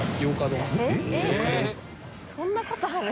えっそんなことある？